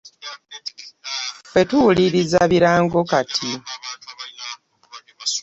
Ffe tuwuliriza birango kati.